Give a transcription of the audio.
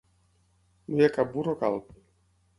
No hi ha cap burro calb.